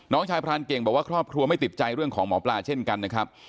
น้องชายพรานเก่งบอกว่าครอบครัวไม่ติดใจเรื่องของหมอปลาเช่นกันนะครับ